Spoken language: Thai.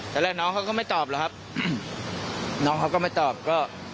แรกน้องเขาก็ไม่ตอบหรอกครับน้องเขาก็ไม่ตอบก็